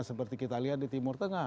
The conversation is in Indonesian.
seperti kita lihat di timur tengah